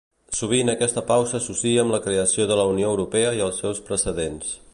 Sovint aquesta pau s'associa amb la creació de la Unió Europea i els seus precedents.